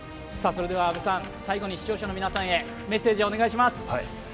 阿部さん、最後に視聴者の皆さんへメッセージをお願いします。